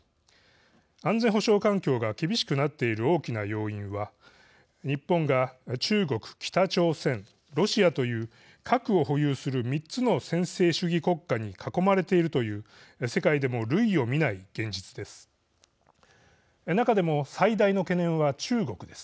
安全保障環境が厳しくなっている大きな要因は日本が中国、北朝鮮ロシアという核を保有する３つの専制主義国家に囲まれているという世界でも類を見ない現実です。